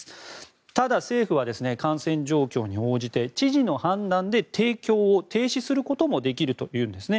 ただ、政府は感染状況に応じて知事の判断で提供を停止することもできるというんですね。